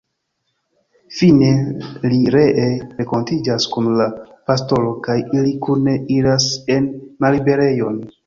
Fine li ree renkontiĝas kun la pastoro kaj ili kune iras en malliberejon.